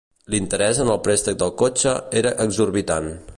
L'interès en el préstec del cotxe era exorbitant.